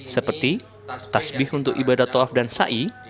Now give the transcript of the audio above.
seperti tasbih untuk ibadah toaf dan sa'i